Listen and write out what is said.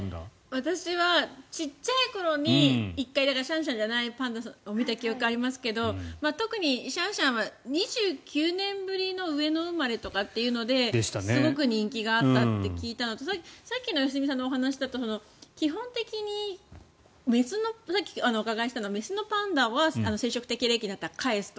私は小さい頃に１回シャンシャンじゃないパンダを見た記憶がありますけど特にシャンシャンは２９年ぶりの上野生まれとかっていうのですごく人気があったって聞いたのとさっきの良純さんのお話だとさっきお伺いしたのは雌のパンダは生殖適齢期になったら返すと。